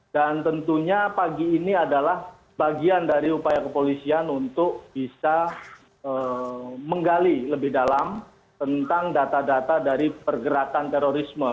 dan tentunya pagi ini adalah bagian dari upaya kepolisian untuk bisa menggali lebih dalam tentang data data dari pergerakan terorisme